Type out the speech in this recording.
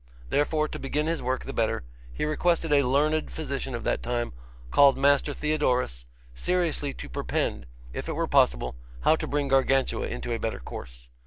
Therefore, to begin his work the better, he requested a learned physician of that time, called Master Theodorus, seriously to perpend, if it were possible, how to bring Gargantua into a better course.